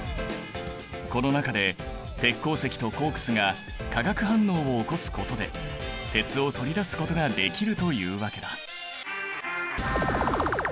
この中で鉄鉱石とコークスが化学反応を起こすことで鉄を取り出すことができるというわけだ。